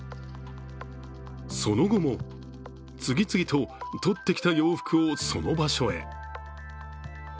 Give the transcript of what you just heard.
その後も次々と取ってきた洋服をその場所へ。